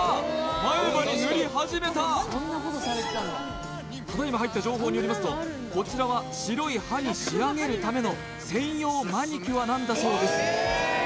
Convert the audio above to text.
前歯に塗り始めたただいま入った情報によりますとこちらは白い歯に仕上げるための専用マニキュアなんだそうです